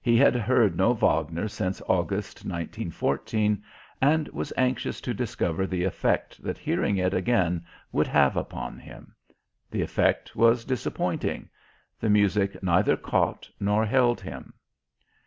He had heard no Wagner since August, 1914, and was anxious to discover the effect that hearing it again would have upon him. The effect was disappointing. The music neither caught nor held him.